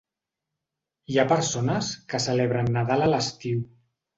Hi ha persones que celebren Nadal a l'estiu.